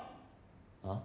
あ？